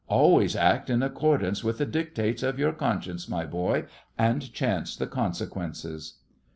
Always act in accordance with the dictates of your conscience, my boy, and chance the consequences.